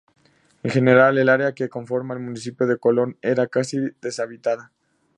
En general el área que conforma el municipio de Colón era casi deshabitada.